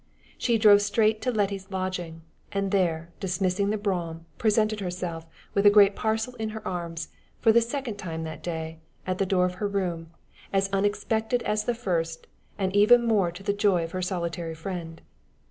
She drove straight to Letty's lodging, and, there dismissing the brougham, presented herself, with a great parcel in her arms, for the second time that day, at the door of her room, as unexpected as the first, and even more to the joy of her solitary friend.